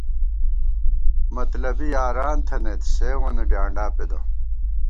مطلبی یاران تھنَئیت، سیوں وَنہ ڈیانڈا پېدہ